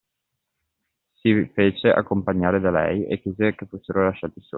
Si fece accompagnare da lei e chiese che fossero lasciati soli.